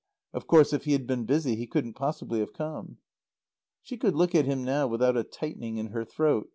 Of course, if he had been busy he couldn't possibly have come. She could look at him now without a tightening in her throat.